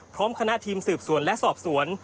พร้อมคณะทีมสืบสวนและสอบสวน